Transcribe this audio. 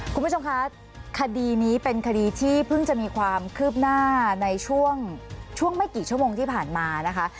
คุณผู้ชมคะคดีนี้เป็นคดีที่เพิ่งจะมีความคืบหน้าในช่วงไม่กี่ชั่วโมงที่ผ่านมานะคะ